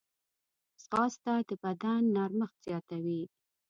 ځغاسته د بدن نرمښت زیاتوي